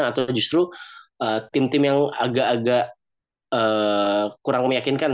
atau justru tim tim yang agak agak kurang meyakinkan